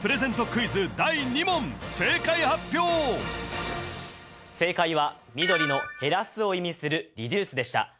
クイズ第２問正解発表正解は緑の「減らす」を意味するリデュースでした